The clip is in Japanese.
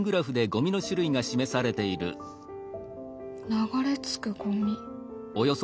流れ着くゴミ。